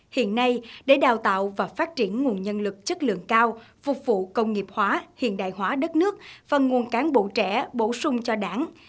hiện nay để đào tạo và phát triển nguồn nhân lực chất lượng cao phục vụ công nghiệp hóa hiện đại hóa đất nước và nguồn cán bộ trẻ bổ sung cho đảng